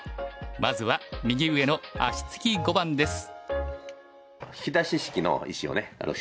まずは右上の足つき碁盤です。